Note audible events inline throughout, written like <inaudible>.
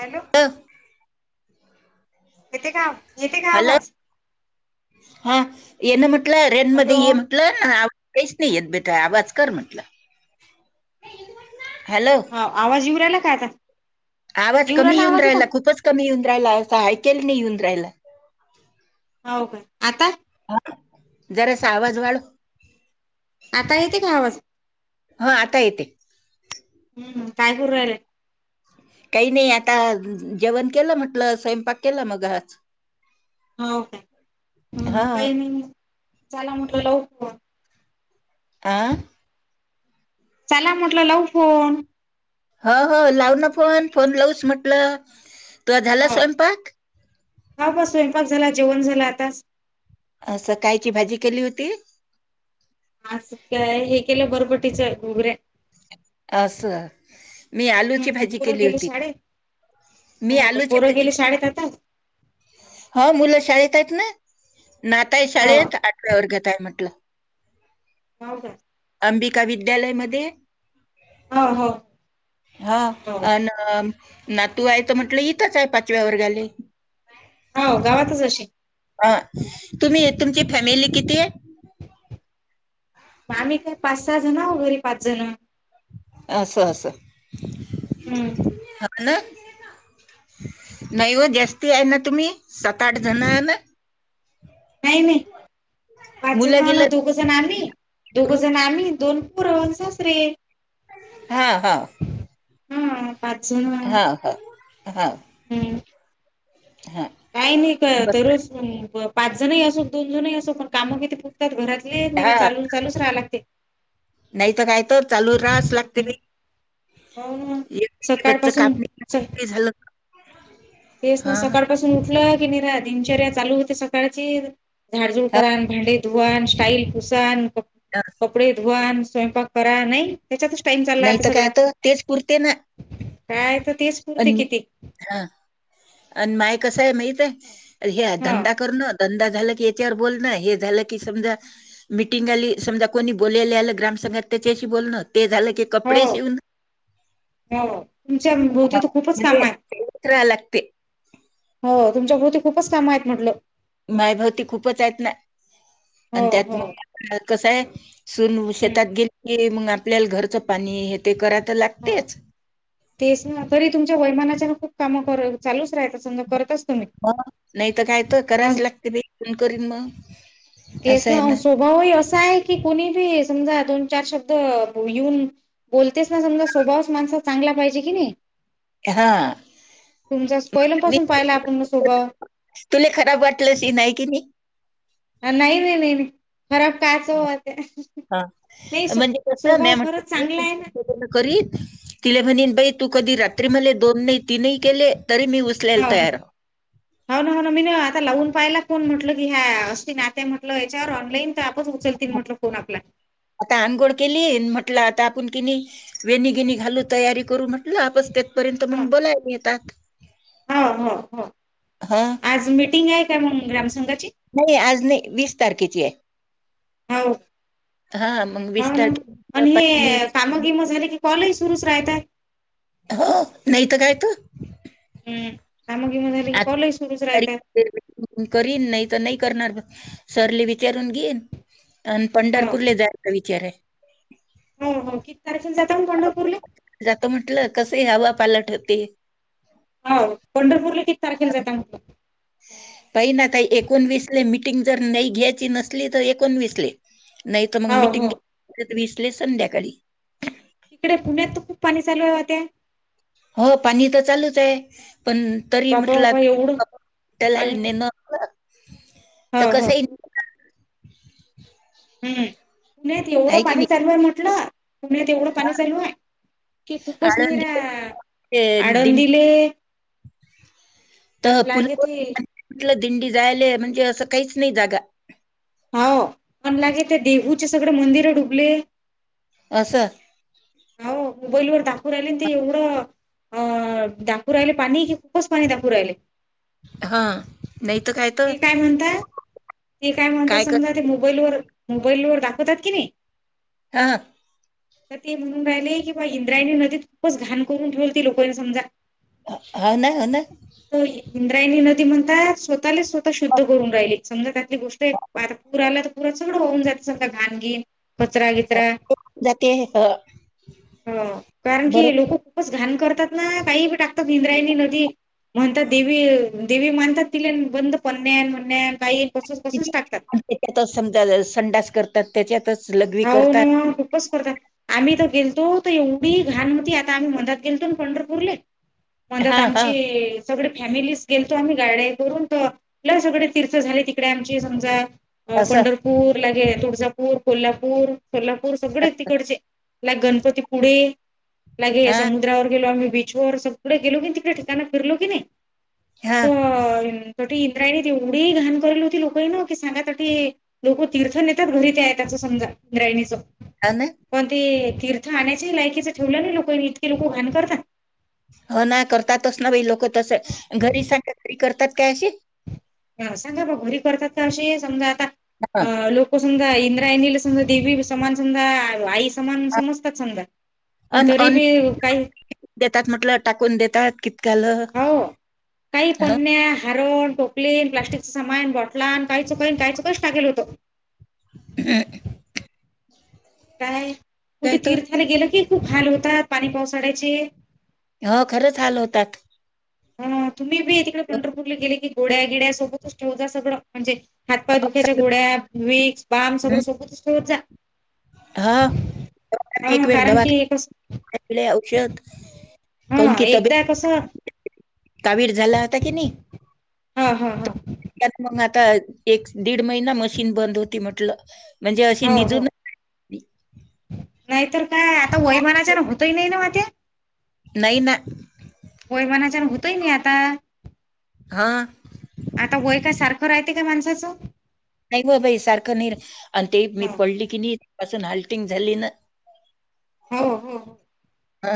Hello येते का, येते का हॅलो आवाज? हा येना म्हटलं रेन मध्ये हॅलो ये म्हटलं ना काहीच नाही येत बेटा आवाज कर म्हटलं. हॅलो हा आवाज येऊ राहिला काय आता? आवाज येऊ कमी येऊन आवाज राहिला आता खूपच कमी येऊन राहिला असं ऐकल नाही येऊन राहिला. हो काय आता जरा सावज वाळ आता येते का आवाज? हा आता येते? हम्म काय करु राहिल्या. काही नाही आता जेवण केलं, म्हटलं स्वयंपाक केला मग आज होका हा हम के नाही चला म्हटल लाऊ कॉल. आह चला म्हटलं लाऊ फोन हो हो लाव ना फोन, फोन लावस म्हटलं. तू झाला हो स्वयंपाक? हा ग स्वयंपाक झाला. जेवण झाला आताच. अस कायची भाजी केली होती? आज काय हे केलं बरंबरीटच घुगऱ्या. अस, मी आलूची हम्म भाजी पोरं केली गेले होती. शाळेत मी हो का आलूची पोरं भाजी, गेले शाळेत आता ह मुलं शाळेत ना नाताय हो शाळेत आठव्या वर्गात येत म्हटलं. हो का? अंबिका विद्यालयमध्ये हो हो हा हो आणि ना तू आहे तर म्हटलं इथंच आहे पाचव्या वर्गाले हो, गावातच अशी अ तुम्ही तुमची फॅमिली किती आहे? आम्ही का पाच सहा जण हाव घरी पाच जण. अससं, अससं. हम्म. हा ना. नाही व जास्ती आहे ना तुम्ही सात आठ जण हाय ना. नाही, नाही, पाच मुलं जणला गेलं दोघ जण आम्ही, दोघं करू जण आम्ही दोन पुरण सासरे. हा, हा. हम, पाच हा <unintelligible> हम्. हा हा हा काही नाही का बरं दररोज पाच जणही असो दोन जणही असो पण कामं किती पुरतात घरात. म <unintelligible> चालू चालच राहा लागते. नाहीत काय तर चालू रास लागते बाई. हो, सकाळ पासून च. नाही झालं तेच ना हा सकाळ पासून उठलं दिनचर्या चालू होते सकाळची, झाडजुड हा. करा अन भांडे धुवा स्टाईल पुुसा, कपडे धुवान स्वयंपाक करा नाही. त्याच्यातच टाईम चालला नाही आता तर सगळा. काय तर तेच पुरते ना. काय तर तेच पुरते अन किती हा आणि माय कसं आहे माहित आहे अ हे हा धंदा कर न धंदा झाला. की चार बोलन हे झालं की समजा, मीटिंग आली समजा कोणी बोले आलं ग्राम संघात त्याच्याशी बोलन. ते झालं की हो कपडे शिवन हो तुमच्या भोवती हा, तर खूपच काम म्हणजे आहेत. <unintelligible> लागते. हो तुमच्या भोवती खूपच काम आहेत म्हटलं. मायभवती खूपच आहेत ना. हो आणि त्यात हो मग कस आहे सून हं. शेतात गेली. ते मग आपल्याला घरचं पाणी हे ते करात. हो, तेच ना तरी तुमच्या वयमानाच्या खूप काम <unintelligible> चालूच राहतात करतच. हो, नाही तर काय त कराच लागतय बाई, कोण करीन म. तेच ना स्वभावही असा आहे, कुणी बी समजा दोन चार शब्द येऊन बोलतेस ना समजा स्वभावच माणस चांगला पाहिजे किनी. हा. मी, पहिल्यापासून पाहिला आपण ना स्वभाव तुले खराब वाटलं शि नाही कि नाही. <unintelligible> अ नाही, नाही, नाय. हा, नाही स्व म्हणजे कस म्या स्वभाव खरंच म्हटलं चांगला आहे ना. <unintelligible> तिला म्हणेन बाई तू कधी रात्री मला दोन नाही तीनही केले. तरी मी उचलायला हाव, तयार आहे." हाव ना, हाव ना मी ना आता लावून पायला. फोन म्हटलं की हया असतील <unintelligible> याच्यावर ऑनलाईन. तर आपच उचलतील म्हटलं फोन आपला आता आंघोळ केली, न म्हटलं आता आपण कन्या, वेणी गेणी घालू तयारी करू म्हटलं आपच त्या तोपर्यंत ह मग बोलायला येतात. हो, हो, हो, हा आज मिटिंग आहे का मग ग्राम संघाची? नाही आज नाही वीस तारखेची आहे. हाव. हा मग हाव वीस ना, तारखेला आणि पाहिजे मी हे काम भीम झाले की कॉलही सुरूच रहताय. हो नाहीत काय त? हम्म कामं गिमं झाले की कॉलही सुरूच आता, राहतात करीन नाही तर नाही करणार. सरले विचारून घेईन आणि हो पंढरपूर ले जायचा का विचार आहे. हो हो किती तारखेला जाता म पंढरपूरला. जात म्हटलं कसे हवा पालट होते. हाव पंढरपूरला किती तारखेला जात रिकामा ऑडिओ पाहिला काही का एकोणवीसले मीटिंग जर नाही घ्यायची नसली. तर एकोणवीसले. नाही. तर मग हो मिटिंग हो <unintelligible> विसले संध्याकाळी. तिकडे पुण्यात खूप पाणी चालू आहे. आत्या. हो पाणी तर चालूच आहे. पण तरी बापा म्हटलं बापा एवढं पाणी <unintelligible> तर हो हो कसं ईल? हम् पुण्यात एवढं पाणी चालू आहे म्हटलं पुण्यात एवढं पाणी चालू आहे. की खूपस निरा आळंदी आडून दिं दिले.. मण तर पुल लागे त. म्हटलं दिंडी जायले म्हणजे असं काहीच नाही जागा. होा मण लागे ते देहूचे सगळे मंदिर डुबले. असं. हो मोबाईल वर दाखवून राहिले ते एवढं.. अं दाखव राहिले पाणी की खूपच पाणी दाखव राहिले. हा. नाही तर तर ते काय म्हणतात, ते काय म्हणतात समजा ते मोबाईलवर मोबाईल वर दाखवतात कीनी हा. तर ते म्हणून राहिले की बा इंद्रायणी नदीत खूपच घाण करून ठेवली त लोकांनी समजा. हो ना हो ना. तर इंद्रायणी नदी म्हणतात स्वतःलाच स्वतः शुद्ध करून राहिल समजा त्यातली गोष्ट आता पूर आला.. <unintelligible> सगळं घान गिन. कचरा घिचरा जाते ह ह कारण बरोबर की लोक खूपच.. घण करतात ना काही प टातात इंद्रायणी नदी.. म्हणत देवी देवी माणतात तिला बंद पनण्या म्हण काही.. कसच कसच टाकतात <unintelligible> हो करतात. ना खूपच करत आम्ही तर.. गेलतो तर एवढी घाण होती आता आम्ही मधात गेलतो ना पंढरपूरले. म त्यात हां, हां. आमची सगळे. फॅमिलीस गेलतो आम्ही गाड्या करून तर ल सगळे तीर्थ झाले तिकडे आमची समजा. अ असं पंढरपूर लागे तुळजापूर कोल्हापूर. सोलापूर सगळे तिकडचे लाग गणपती पुढे लागे हां, समुद्रावर गेलो आम्ही. बीच वर सगडे गेलो की तिकडे ठिकाणा फिरलो की नाही हां. तर.. त इंद्राणीत तेवढी घाण करलेली होती लोकां ना की सांगा त लोक तीर्थ नेतात घरी ते आहे त्याच समजा.. हां <unintelligible> ना. कोनती? तीर्थ आणण्याच्याही लायकीचं ठेवलं नाही लोकांनी इतके लोक घाण करतात. ह ना करतातच ना बा लोक तस घरी सांख घरी करतात काय अशी. ह सांगा ब घरी करतात तर अे समजा आता हां, लोक समजा इ ला समजा देवी समान समधा आई समान समजतात समजा.. पण तरी अन बी काही देतात म्हटलं टाकून देतात कि हो काही पनण्या हरण.. टोपलीन, प्लास्टिकच सामान, बॉटलान, काही चुक काही चुकही टाकेल होतं. रिकामा ऑडिओ काय कुठे तीर्थाला गेलं की खूप हाल होतात पाणी पावसाल्याचे. ह खरंच हल होतात. हा तुम्ही बी तिकडे पंढरपूरला गेले की गोड्या गिड्यासोबतच ठेवता सगळं म्हणजे.. हातपाय दुख्याच्या गोळ्या, विक्स, बाम, सगळं सोबतच ठेवत जा. हा एक हा वेळ कारण की <unintelligible> कस औषध.. हा एकदा कसं.. कावीर झाला होता की नाही हो हो हो त्यात मग आ.... आता एक दीड महिना मशीन बंद होती म्हटलं. म्हणजे अशी हो हो निजून, नाहीतर काय आता वैमानाच्या ना होतही नाही ना म ते, नाहीना. वयमानाच्यान होतय नाही आता हां. आता वय काय सारखं राहते. काय माणसाचं, नाही ब बाई सारखं नाही आणि ते मी हो पडली की नाही पाून हल <unintelligible> झाली ना! हा ओ ह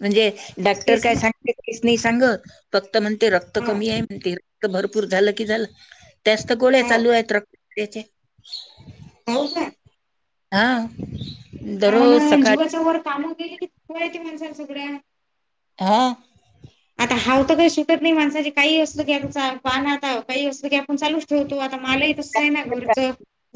म्हणजे डॉक्टर काय ना सांगते कीस नाही सांगत फक्त त म्हणते रक्त हो कमी आहे म्हण रक्त भरपूर झालं की, झालं त्यास्त गोळ्या हो चालू आहेत रक्त तेचे होऊ का! हा, म्हून जीवाच वर कामं गेली कीयती माणसा सगळ्या, हा. आता हाव तर काही शिकत नाही, माणसाची काही असतं की आता पाण आता काही असत की आपण चालच ठेवतो, आता मलाही नाय ना घर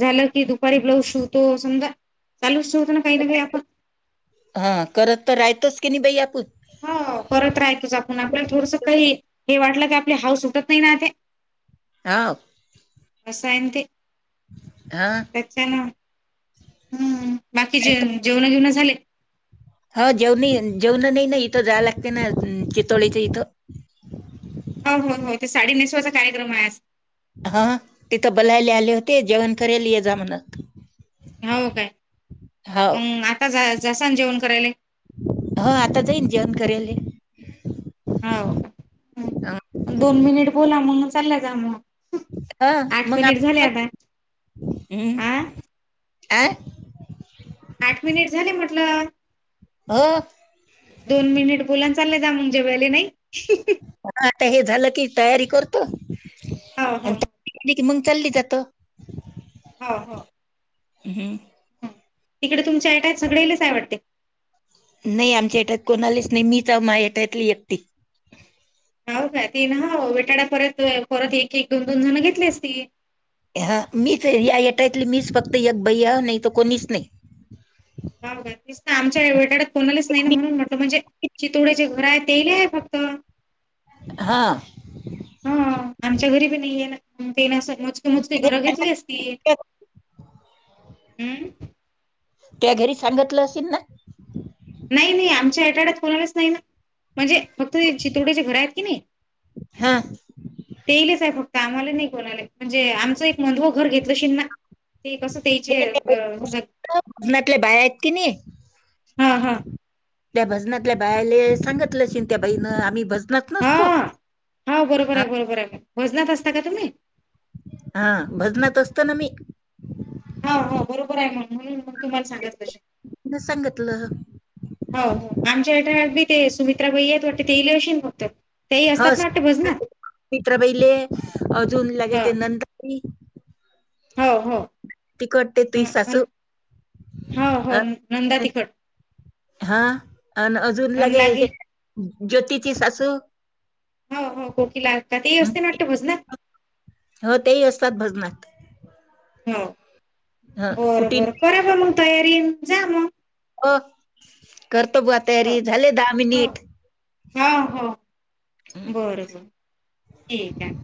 झालं की दुपारी ब्लाउज शिवतो समजा चालू हा करत तर राहतोच की नाही बाई आपून. हो करत राहायचच आपण आपल्याला थोडस काही हे वाटलं ते आपले हाऊस सुटत नाही ना ते. ह, वसायंत हां. कच ना! हम्म बाकी जे जेवण घेवण झाले. ह जेवणी जेवण नाही ना इथं जाय लागते ना! चितोळीचं इथं, हो हो हो ते साडी नेसवायचा कार्यक्रम आहे आज. हा तिथं बलायला आले होते जेवण केल ये जा म्हण, हो काय मग आता जसान जेवण करायले. हा आता जाईन जेवण करायले. हो दोन मिनिट बोला म्हणून चालला जा मग, हा आठ मंग मिनिट झाले आता हम्म! आ आ आठ मिनिट झाले म्हटलं हो दोन मिनिट बोला, चालले जा म <unintelligible> वले नाही, आता हे झालं की तयारी करत हो हो आणि की मंग चालली जात, हा, हा. हम्म! तिकडे तुमच्या अटाच सगळेलाचय वाटते. नाही आमच्या हटत कोणालीच नाही मीच मा हटतली एकती. हो का, ती ना बेटाड्या परत परत एक एक दोन दोन जण घेतलीस ती. हा मीच या येटायतली मीच फक्त एक बई नाही तर कोणीच नाही. बा तेसत आमच्या विटाड्यात कोणालाच नाही ना म्हणून म्हटलं म्हणजे चितोड्याचे घर आहे तेही आहे फक्त ह. हा! आमच्या घरी नाही आहे देण्या सज मजकी घर घेतलीती असती. हम्! त्या घरी सांगितलं असेल ना? नाही नाही आमच्या एटाड्यात फोणालाच नाही ना, म्हणजे फक्त ते चितोड्याचे घर आहेत की नाही. हा तेलच आहे फक्त आम्हाला नाही बोलायला म्हणजे आमचं एक मधव घर घेतलं शिनना. ते कसं तेचे अ समजा भजनातल्या बाया आहेत की नाही हां हां त्या भजनातल्या बायाले सांगितलं असेन त्या बाईनं आम्ही भज हां हां बरोबर आहे बरोबर आहे भजनात असता का तुम्ही हा भजनात असत ना मी. हां हां बरोबर आहे म्हणून म्हण न सांगितलं हो हो आमच्या हच्यात बी ते सुमित्राबाई आहेतेत वाटते ते इले अशी बघत तेही असतात ना आता भजनात. मित्राबाईले अजून लगे ह ते नंदबाई हो हो त करटते तु हं, सासू अन हो अ हो नंदा तिखट हां आणि अजून अन लगे लागे हे ज्योतीची सासू हो हो खोकी लाग का ते हं. असते ना आता भजनात हो तेही असतात भजनात. हो ह बरं कुटी बरं करा प मग तयारी जा मग. हो, करत बुवा हो तयारी झाले दहा हो मिनिट. हो हो हं. बरोबर ठीक आहे.